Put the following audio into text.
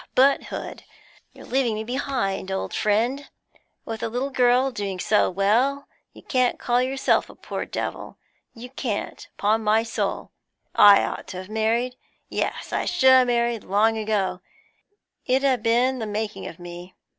Ah, but Hood, you're leaving me behind, old friend; with the little girl doing so well you can't call yourself a poor devil; you can't, upon my soul! I ought to have married; yes, I should ha' married long ago; it 'ud a' been the making of me.